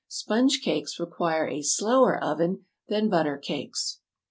"Sponge cakes require a 'slower' oven than butter cakes.